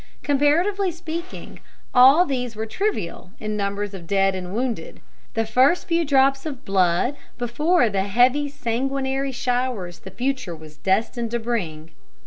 Comparatively speaking all these were trivial in numbers of dead and wounded the first few drops of blood before the heavy sanguinary showers the future was destined to bring.